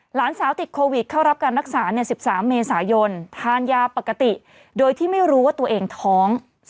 หลานสาวติดโควิดเข้ารับการรักษา๑๓เมษายนทานยาปกติโดยที่ไม่รู้ว่าตัวเองท้อง